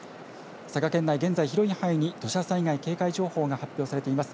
佐賀県内、現在広い範囲に土砂災害警戒情報が発表されています。